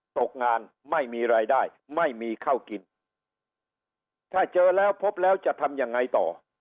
ตกงานไม่มีรายได้ไม่มีข้าวกินถ้าเจอแล้วพบแล้วจะทำยังไงต่อ